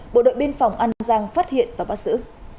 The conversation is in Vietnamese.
bộ đội biên phòng an giang phát hiện và bắt giữ